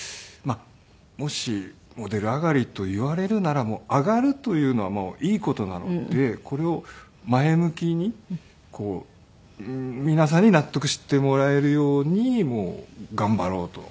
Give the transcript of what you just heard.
もしモデル上がりと言われるなら上がるというのはいい事なのでこれを前向きに皆さんに納得してもらえるように頑張ろうと。